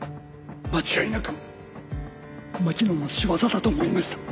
間違いなく巻乃の仕業だと思いました。